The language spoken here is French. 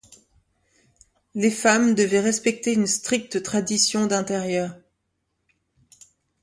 Les femmes devaient respecter une stricte tradition d’intérieur.